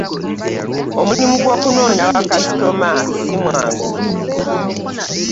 Omulimu gw'okunoonya bakasitoma simwangu.